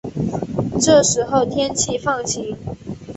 这时候天气放晴